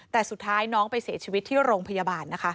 แต่สุดท้ายน้องไปเสียชีวิตที่โรงพยาบาลนะคะ